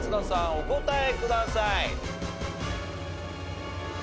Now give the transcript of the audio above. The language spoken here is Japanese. お答えください。